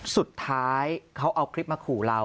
สุดท้ายเขาเอาคลิปมาขู่เรา